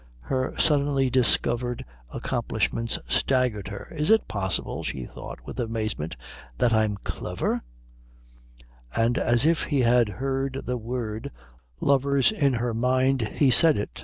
Her suddenly discovered accomplishments staggered her. "Is it possible," she thought with amazement, "that I'm clever?" And as if he had heard the word lovers in her mind he said it.